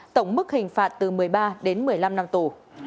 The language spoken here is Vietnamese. tổng mức hình phạt từ một mươi ba đến một mươi năm năm tù